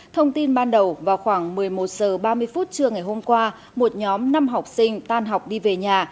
thông tin ban đầu vào khoảng một mươi một h ba mươi phút trưa ngày hôm qua một nhóm năm học sinh tan học đi về nhà